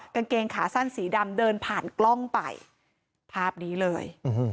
กางเกงขาสั้นสีดำเดินผ่านกล้องไปภาพนี้เลย